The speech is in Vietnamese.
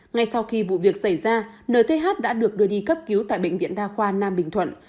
ngay sau khi vụ việc xảy ra nth đã được đưa đi cấp cứu tại bệnh viện đa khoa nam bình thuận